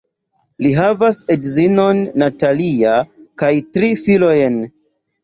Li havas edzinon Natalia kaj tri filojn.